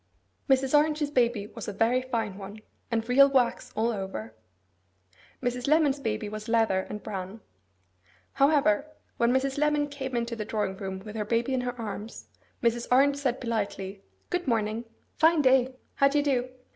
Mrs. Orange's baby was a very fine one, and real wax all over. Mrs. Lemon's baby was leather and bran. However, when Mrs. Lemon came into the drawing room with her baby in her arms, Mrs. Orange said politely, 'Good morning. Fine day. How do you do?